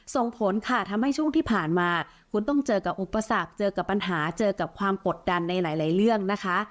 ส่งผลค่ะทำให้ช่วงที่ผ่านมาคุณต้องเจอกับอุปสรรคเจอกับปัญหาเจอกับความกดดันในหลายเรื่องนะคะ